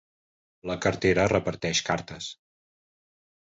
La cartera reparteix cartes.